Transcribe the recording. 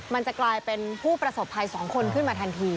มันจะกลายเป็นผู้ประสบภัย๒คนขึ้นมาทันที